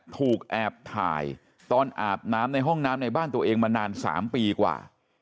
ถูกแอบถ่ายตอนอาบน้ำในห้องน้ำในบ้านตัวเองมานาน๓ปีกว่า